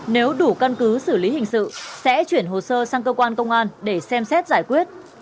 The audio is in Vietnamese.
nếu đủ căn cứ xử lý hình sự sẽ chuyển hồ sơ sang cơ quan công an để xem xét giải quyết